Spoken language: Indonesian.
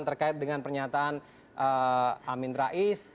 terkait dengan pernyataan amin rais